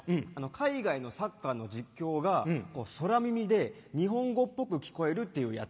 海外のサッカーの実況が空耳で日本語っぽく聞こえるっていうやつ。